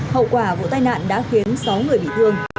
hậu quả vụ tai nạn đã khiến sáu người bị thương